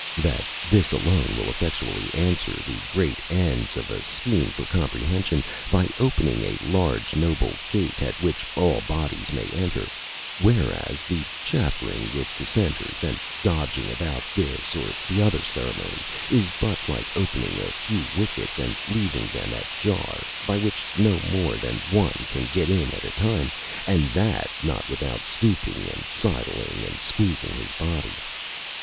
That this alone will effectually answer the great ends of a scheme for comprehension, by opening a large noble gate, at which all bodies may enter; whereas the chaffering with Dissenters, and dodging about this or t'other ceremony, is but like opening a few wickets, and leaving them at jar, by which no more than one can get in at a time, and that not without stooping, and sideling, and squeezing his body.